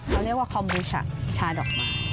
เขาเรียกว่าคอมบูชาดอกไม้